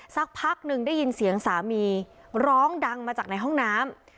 สักพักหนึ่งได้ยินเสียงสามีร้องดังมาจากในห้องน้ำ